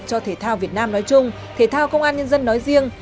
cho thể thao việt nam nói chung thể thao công an nhân dân nói riêng